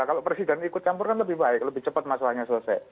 kalau presiden ikut campur kan lebih baik lebih cepat masalahnya selesai